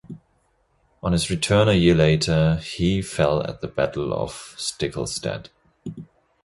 On his return a year later he fell at the Battle of Stiklestad.